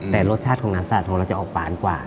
แต่รสชาติของน้ำสาดของเราจะออกหวานกว่า